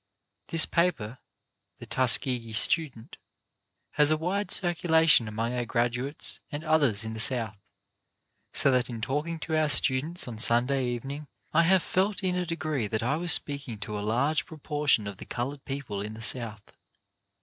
This paper, The Tuskegee Student, has a wide circulation among our graduates and others in the South, so that in talking to our students on Sunday evening I have felt in a degree that I was speaking to a large proportion of the coloured people in the South.